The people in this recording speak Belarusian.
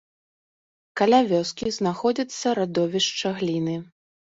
Каля вёскі знаходзіцца радовішча гліны.